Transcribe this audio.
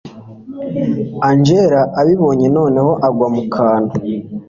angella abibonye noneho agwa mukantu